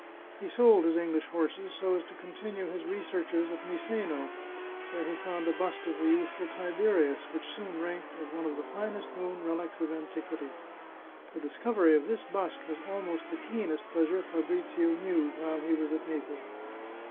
He sold his English horses so as to continue his researches at Miseno, where he found a bust of the youthful Tiberius, which soon ranked as one of the finest known relics of an tiquity. The discovery of this bust was almost the keenest pleasure Fabrizio knew while he was at Naples.